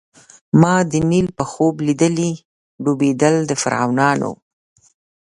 ما د نیل په خوب لیدلي ډوبېدل د فرعونانو